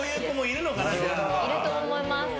いると思います。